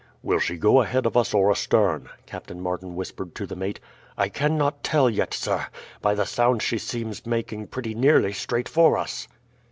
"Will she go ahead of us or astern?" Captain Martin whispered to the mate. "I cannot tell yet, sir. By the sound she seems making pretty nearly straight for us."